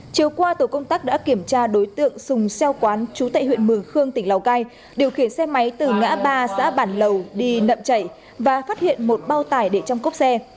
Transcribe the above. chiều qua tổ công tác đã kiểm tra đối tượng sùng xeo quán chú tại huyện mường khương tỉnh lào cai điều khiển xe máy từ ngã ba xã bản lầu đi nậm chảy và phát hiện một bao tải để trong cốc xe